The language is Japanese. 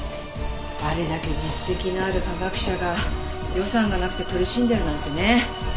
あれだけ実績のある科学者が予算がなくて苦しんでるなんてね。